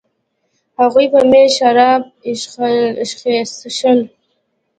هغوی په میز شراب ایشخېشل.